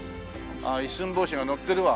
ああ一寸法師が乗ってるわ。